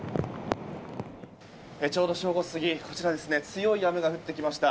ちょうど正午過ぎ強い雨が降ってきました。